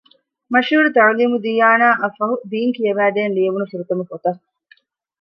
މަޝްހޫރު ތަޢުލީމުއްދިޔާނާ އަށްފަހު ދީން ކިޔަވައިދޭން ލިޔެވުނު ފުރަތަމަ ފޮތަށް